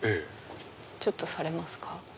ちょっとされますか？